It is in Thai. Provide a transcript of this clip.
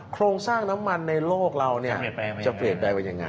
โครงสร้างน้ำมันในโลกเราจะเปลี่ยนแปลงไปยังไง